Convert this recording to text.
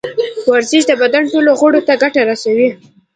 ورزش کول د بدن ټولو غړو ته ګټه رسوي.